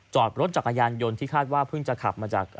จอดรถจักรยานยนต์ที่คาดว่าเพิ่งจะขับมาจาก